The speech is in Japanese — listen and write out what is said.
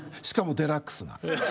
しかもデラックスな。